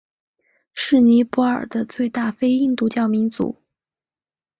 是尼泊尔的最大非印度教民族。